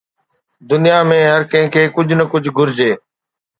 دنيا ۾ هر ڪنهن کي ڪجهه نه ڪجهه گهرجي